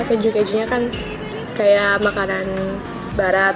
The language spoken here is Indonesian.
keju kejunya kan kayak makanan barat